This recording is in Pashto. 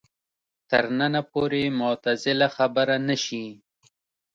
تر ننه پورې معتزله خبره نه شي